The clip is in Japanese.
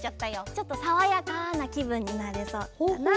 ちょっとさわやかなきぶんになれそうかなって。